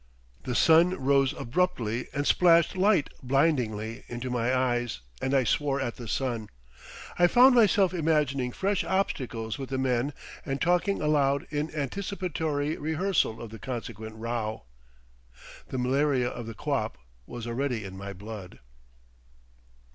The sun rose abruptly and splashed light blindingly into my eyes and I swore at the sun. I found myself imagining fresh obstacles with the men and talking aloud in anticipatory rehearsal of the consequent row. The malaria of the quap was already in my blood.